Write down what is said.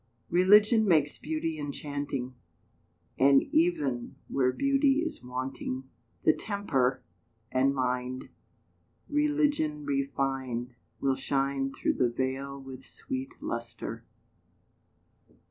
{233a} Religion makes beauty enchanting, And even where beauty is wanting, The temper and mind, Religion refined, Will shine through the veil with sweet lustre.